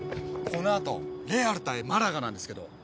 この後レアル対マラガなんですけど。